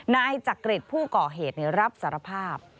นายจักริตผู้ก่อเหตุรับสารภาพ